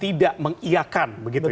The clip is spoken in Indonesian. tidak mengiakan begitu ya